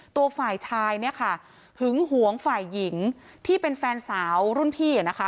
ตัวฝ่ายชายเนี่ยค่ะหึงหวงฝ่ายหญิงที่เป็นแฟนสาวรุ่นพี่นะคะ